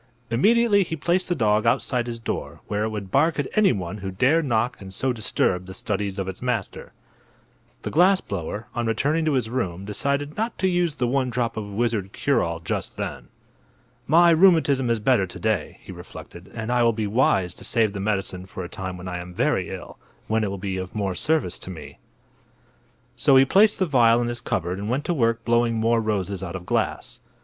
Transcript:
Immediately he placed the dog outside his door, where it would bark at anyone who dared knock and so disturb the studies of its master. The glass blower, on returning to his room, decided not to use the one drop of wizard cure all just then. "My rheumatism is better to day," he reflected, "and I will be wise to save the medicine for a time when I am very ill, when it will be of more service to me." So he placed the vial in his cupboard and went to work blowing more roses out of glass.